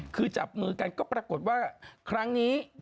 คือจับมือกันก็ปรากฏว่าครั้งนี้